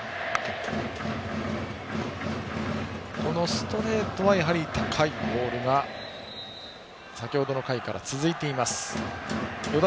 ストレートは高いボールが先程の回から続いています、北山。